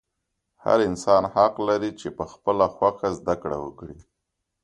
هر انسان حق لري چې په خپله خوښه زده کړه وکړي.